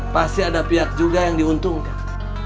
pasti ada pihak juga yang diuntungkan